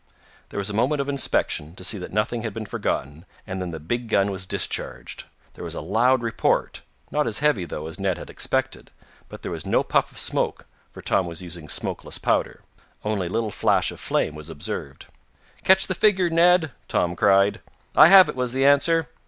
There was a moment of inspection, to see that nothing had been forgotten, and then the big gun was discharged. There was a loud report, not as heavy, though, as Ned had expected, but there was no puff of smoke, for Tom was using smokeless powder. Only a little flash of flame was observed. "Catch the figure, Ned!" Tom cried. "I have it!" was the answer.